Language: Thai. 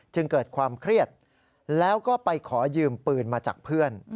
จึงเกิดความเครียดแล้วก็ไปขอยืมปืนมาจากเพื่อน